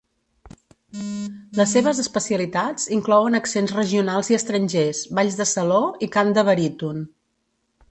Les seves especialitats inclouen accents regionals i estrangers, balls de saló i cant de baríton.